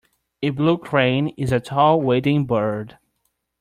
A blue crane is a tall wading bird.